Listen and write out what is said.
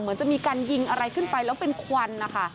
เหมือนจะมีการยิงอะไรขึ้นไปแล้วเป็นควันนะคะ